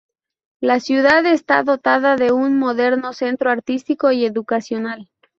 La ciudad está dotada de un moderno Centro Artístico y Educacional.